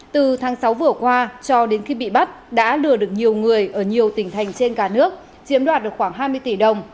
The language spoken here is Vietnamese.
từ tháng sáu vừa qua cho đến khi bị bắt đã lừa được nhiều người ở nhiều tỉnh thành trên cả nước chiếm đoạt được khoảng hai mươi tỷ đồng